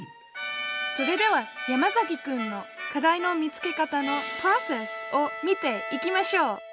それでは山崎くんの「課題の見つけ方のプロセス」を見ていきましょう。